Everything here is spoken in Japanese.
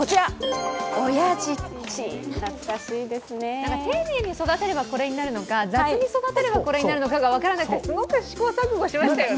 なんか丁寧に育てればこれになるのか雑に育てればこれになるのか分からなくてすごく試行錯誤しましたよね。